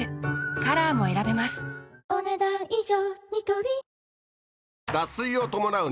カラーも選べますお、ねだん以上。